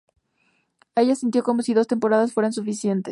Ella sintió como si dos temporadas fueran suficientes.